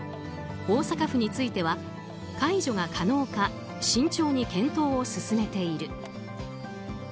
大阪府については解除が可能か慎重に検討を進めている。